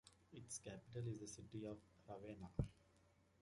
Its capital is the city of Ravenna.